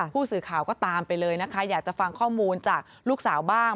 ผู้สื่อข่าวก็ตามไปเลยนะคะอยากจะฟังข้อมูลจากลูกสาวบ้าง